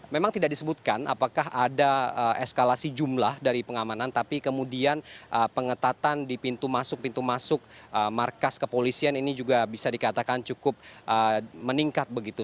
memang tidak disebutkan apakah ada eskalasi jumlah dari pengamanan tapi kemudian pengetatan di pintu masuk pintu masuk markas kepolisian ini juga bisa dikatakan cukup meningkat begitu